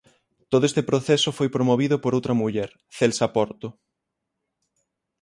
Todo este proceso foi promovido por outra muller: Celsa Porto.